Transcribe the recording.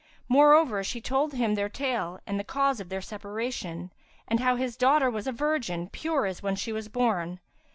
Moreover, she told him their tale and the cause of their separation, and how his daughter was a virgin, pure as when she was born.